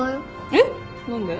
えっ何で？